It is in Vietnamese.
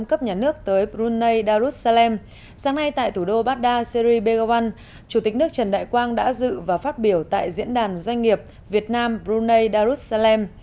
chủ tịch nước trần đại quang đã dự và phát biểu tại diễn đàn doanh nghiệp việt nam brunei darussalam